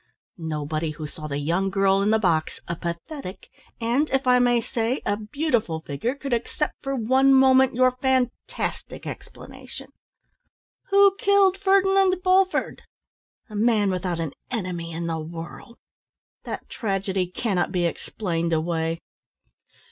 Nobody who saw the young girl in the box, a pathetic, and if I may say, a beautiful figure, could accept for one moment your fantastic explanation. "Who killed Ferdinand Bulford? A man without an enemy in the world. That tragedy cannot be explained away.